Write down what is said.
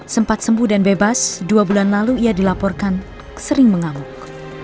sempat sembuh dan bebas dua bulan lalu ia dilaporkan sering mengamuk